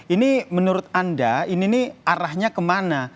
ini menurut anda ini arahnya kemana